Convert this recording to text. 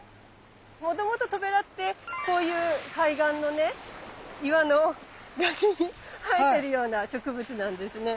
もともとトベラってこういう海岸のね岩の崖に生えてるような植物なんですね。